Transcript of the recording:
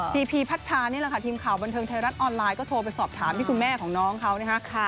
พีพัชชานี่แหละค่ะทีมข่าวบันเทิงไทยรัฐออนไลน์ก็โทรไปสอบถามที่คุณแม่ของน้องเขานะคะ